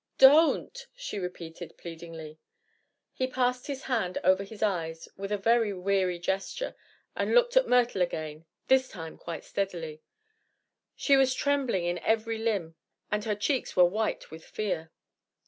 "Don't!" she repeated, pleadingly. He passed his hand over his eyes with a very weary gesture and looked at Myrtle again this time quite steadily. She was trembling in every limb and her cheeks were white with fear.